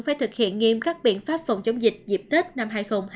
phải thực hiện nghiêm các biện pháp phòng chống dịch dịp tết năm hai nghìn hai mươi